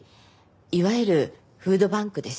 いわゆるフードバンクです。